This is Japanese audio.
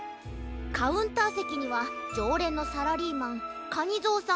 カウンターせきにはじょうれんのサラリーマンカニゾウさん